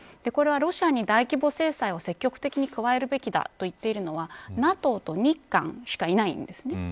これはロシアに大規模制裁を積極的に加えるべきだと言っているのはＮＡＴＯと日韓しかいないんです。